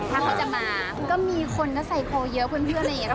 ถ้าเขาจะมาก็มีคนก็ไซโคเยอะเพื่อนอะไรอย่างนี้